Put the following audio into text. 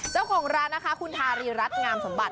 เจ้าของร้านนะคะคุณทารีรัฐงามสมบัติ